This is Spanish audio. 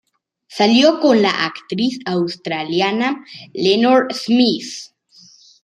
Salió con la actriz australiana Lenore Smith.